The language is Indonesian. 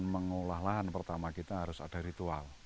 mengolah lahan pertama kita harus ada ritual